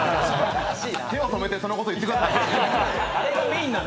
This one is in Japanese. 手を止めてそのこと言ってくださいよ。